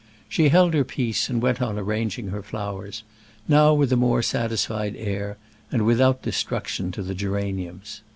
She held her peace, and went on arranging her flowers now with a more satisfied air, and without destruction to the geraniums.